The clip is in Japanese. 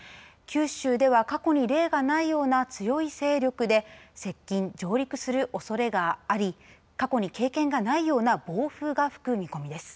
九州では過去に例がないような強い勢力で接近、上陸するおそれがあり過去に経験がないような暴風が吹く見込みです。